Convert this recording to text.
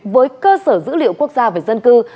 với cơ sở dữ liệu quốc gia về dân cư